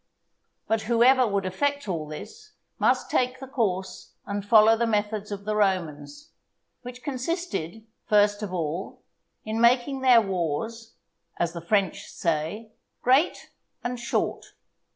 But whoever would effect all this, must take the course and follow the methods of the Romans; which consisted, first of all, in making their wars, as the French say, great and short.